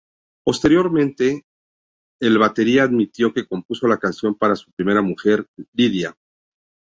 Posteriormente, el batería admitió que compuso la canción para su primera mujer, Lydia.